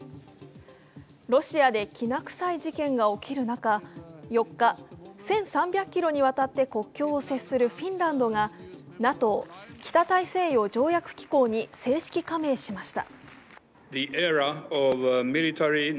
ロシアできな臭い事件が起きる中、４日、１３００ｋｍにわたって国境を接するフィンランドがＮＡＴＯ＝北大西洋条約機構に正式加盟しました。